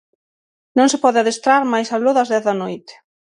Non se pode adestrar máis aló das dez da noite.